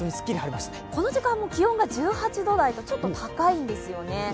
この時間、気温が１８度台とちょっと高いんですね。